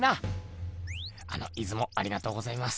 あのいつもありがとうございます。